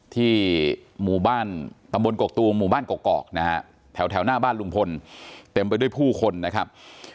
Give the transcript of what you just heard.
ที่หมู่บ้านตำบลกกตูมหมู่บ้านกอกนะฮะแถวหน้าบ้านลุงพลเต็มไปด้วยผู้คนนะครับ